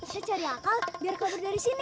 saya cari akal biar keluar dari sini